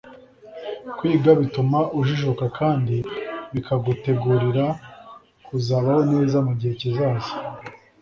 kwiga bituma ujijuka kandi bikagutegurira kuzabaho neza mu gihe kizaza.